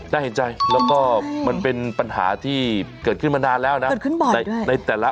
น่าเห็นใจแล้วก็มันเป็นปัญหาที่เกิดขึ้นมานานแล้วนะเกิดขึ้นบ่อยในแต่ละ